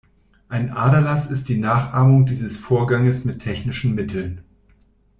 Ein Aderlass ist die Nachahmung dieses Vorganges mit technischen Mitteln.